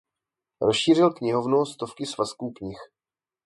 Rozšířil knihovnu o stovky svazků knih.